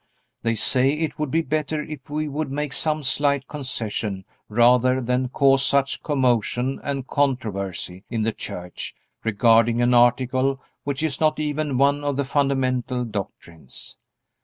They say it would be better if we would make some slight concession rather than cause such commotion and controversy in the Church regarding an article which is not even one of the fundamental doctrines.